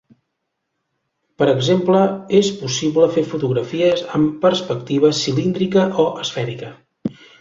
Per exemple, és possible fer fotografies amb perspectiva cilíndrica o esfèrica.